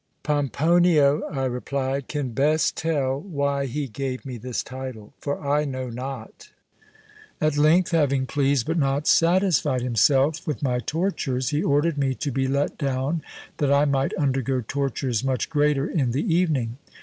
'Pomponio,' I replied, 'can best tell why he gave me this title, for I know not.' At length, having pleased, but not satisfied himself with my tortures, he ordered me to be let down, that I might undergo tortures much greater in the evening.